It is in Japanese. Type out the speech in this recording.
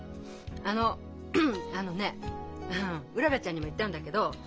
あのあのねうららちゃんにも言ったんだけど。